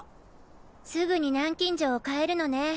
すぐに南京錠を替えるのね。